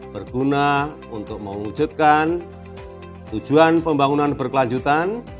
berguna untuk mewujudkan tujuan pembangunan berkelanjutan